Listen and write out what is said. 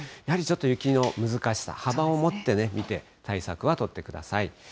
やはり、ちょっと雪の難しさ、幅を持って見て、対策は取ってください。